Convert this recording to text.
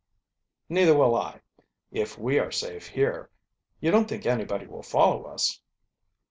"Neither will I if we are safe here. You don't think anybody will follow us?"